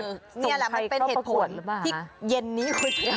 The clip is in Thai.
นี่แหละมันเป็นเหตุผลที่เย็นนี้คุยกัน